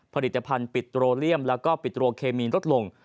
ผลิตภัณฑ์ปิตโรเลียมและปิตโรเคมีนลดลง